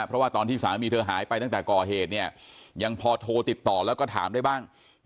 เพราะว่าตอนที่สามีเธอหายไปตั้งแต่ก่อเหตุเนี่ยยังพอโทรติดต่อแล้วก็ถามได้บ้าง